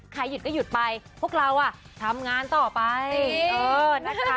หยุดก็หยุดไปพวกเราอ่ะทำงานต่อไปเออนะคะ